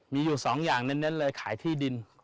มีอยู่๒อย่างเน้นเลยขายที่ดิน